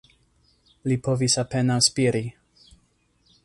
Li povis apenaŭ spiri.